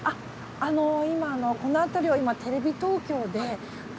あの今この辺りを今テレビ東京で。